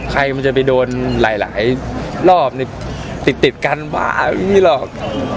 ใครมันจะไปโดนหลายรอบติดกันว๊าาไม่มีหรอก